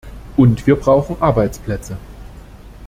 Und wir brauchen Arbeitsplätze.